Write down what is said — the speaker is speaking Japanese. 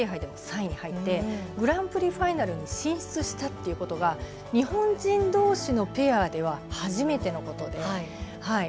アメリカで２位ＮＨＫ杯でも３位に入ってグランプリファイナルに進出したということが日本人どうしのペアでは初めてのことで。